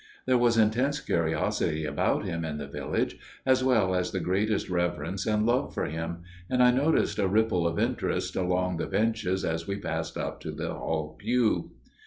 There was intense curiosity about him in the village, as well as the greatest reverence and love for him, and I noticed a ripple of interest along the benches as we passed up to the Hall pew.